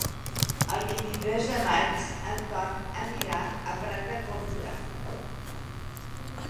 El vint-i-tres de maig en Ton anirà a Prat de Comte.